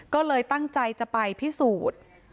ก็เลยตั้งใจจะไปพิสูจน์